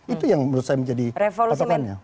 itu yang menurut saya menjadi katakannya